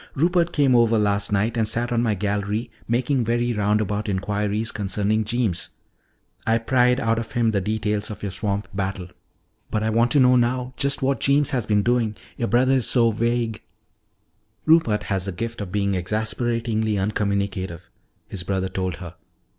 Rupert came over last night and sat on my gallery making very roundabout inquiries concerning Jeems. I pried out of him the details of your swamp battle. But I want to know now just what Jeems has been doing. Your brother is so vague " "Rupert has the gift of being exasperatingly uncommunicative," his brother told her.